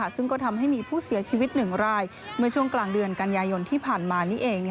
ซึ่งก็ทำให้มีผู้เสียชีวิต๑รายเมื่อช่วงกลางเดือนกันยายนที่ผ่านมานี้เอง